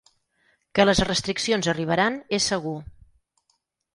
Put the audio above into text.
Que les restriccions arribaran és segur.